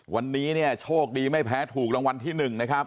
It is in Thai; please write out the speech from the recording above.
วันนี้เนี่ยโชคดีไม่แพ้ถูกรางวัลที่๑นะครับ